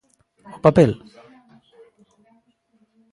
O papel?